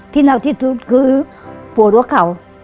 ที่นักที่สุดคือหัวโรคเขา